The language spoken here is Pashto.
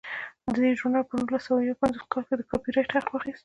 دې ژورنال په نولس سوه یو پنځوس کال کې د کاپي رایټ حق واخیست.